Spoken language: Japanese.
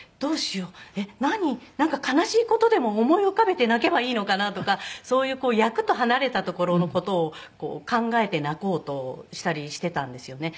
なんか悲しい事でも思い浮かべて泣けばいいのかなとかそういう役と離れたところの事を考えて泣こうとしたりしていたんですよね。